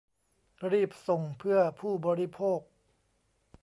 รีบส่งเพื่อผู้บริโภค